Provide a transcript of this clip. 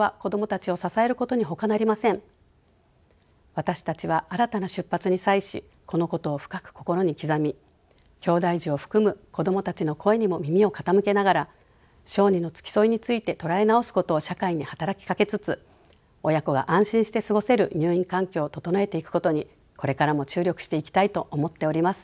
私たちは新たな出発に際しこのことを深く心に刻みきょうだい児を含む子どもたちの声にも耳を傾けながら小児の付き添いについて捉え直すことを社会に働きかけつつ親子が安心して過ごせる入院環境を整えていくことにこれからも注力していきたいと思っております。